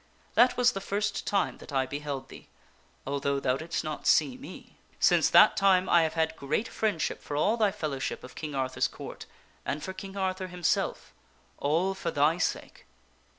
That was the first time that I beheld thee although thou didst not see me. Since that time I have had great friendship for all thy fellowship of King Arthur's Court and for King Arthur himself, all for thy sake."